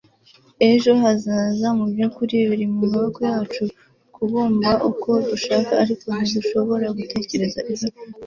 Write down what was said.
ejo hazaza mubyukuri biri mumaboko yacu kubumba uko dushaka ariko ntidushobora gutegereza ejo ejo ubu